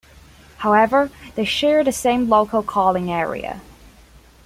However, they share the same local calling area.